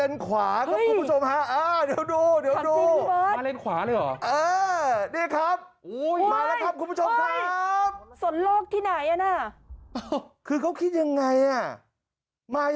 น่ากลัวแล้วนะ